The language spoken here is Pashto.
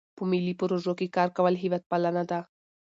په ملي پروژو کې کار کول هیوادپالنه ده.